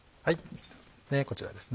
こちらですね